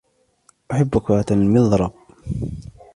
أحب كرة المضرب.